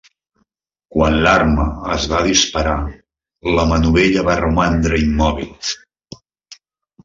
Quan l'arma es va dispara, la manovella va romandre immòbil.